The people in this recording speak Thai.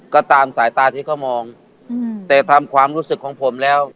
ก็ตามสายตาที่เขามองแต่ทำความรู้สึกของผมแล้ว